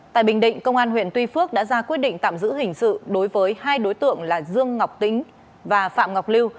tại bình định công an huyện tuy phước đã ra quyết định tạm giữ hình sự đối với hai đối tượng là dương ngọc tĩnh và phạm ngọc lưu